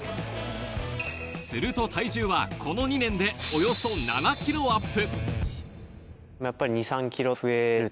すると体重はこの２年でおよそ７ｋｇアップ。